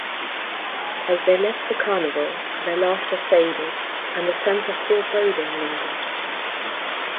As they left the carnival, their laughter faded, and a sense of foreboding lingered.